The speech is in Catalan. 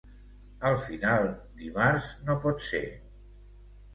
Al final dimarts no pot ser.